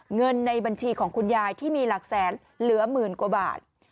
เงินในบัญชีของคุณยายที่มีหลักแสนเหลือหมื่นกว่าบาท